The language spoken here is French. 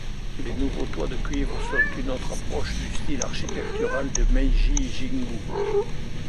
Les nouveaux toits de cuivre sont une autre approche du style architectural des Meiji-jingū.